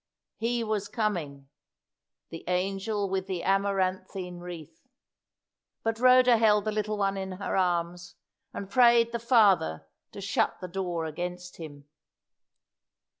He was coming "the angel with the amaranthine wreath" but Rhoda held the little one in her arms, and prayed the Father to shut the door against him.